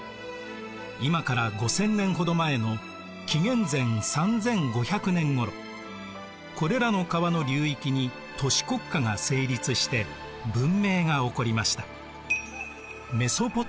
今から５０００年ほど前の紀元前３５００年ごろこれらの川の流域に都市国家が成立して文明が起こりました。